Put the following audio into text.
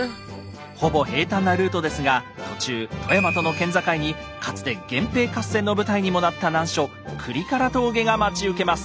ほぼ平坦なルートですが途中富山との県境にかつて源平合戦の舞台にもなった難所倶利伽羅峠が待ち受けます。